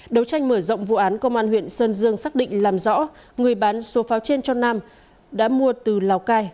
đấu tranh mở rộng vụ án công an huyện sơn dương xác định làm rõ người bán số pháo trên cho nam đã mua từ lào cai